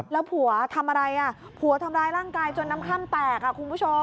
แล้วผัวทำอะไรอ่ะผัวทำร้ายร่างกายจนน้ำค่ำแตกคุณผู้ชม